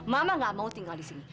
mama gak mau tinggal di sini